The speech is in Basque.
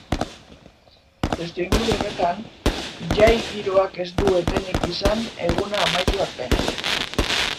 Testuinguru horretan, jai-giroak ez du etenik izan eguna amaitu arte.